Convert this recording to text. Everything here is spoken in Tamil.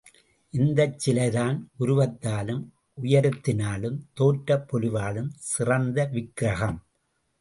இந்தச் சிலைதான் உருவத்தாலும், உயரத்தினாலும், தோற்றப் பொலிவாலும், சிறந்த விக்ரகம்.